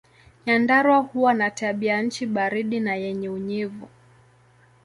Nyandarua huwa na tabianchi baridi na yenye unyevu.